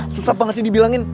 susah banget sih dibilangin